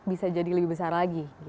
bisa jadi lebih besar lagi